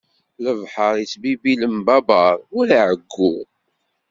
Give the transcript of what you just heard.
Lebḥeṛ ittbibbi lembabeṛ ur iɛeggu.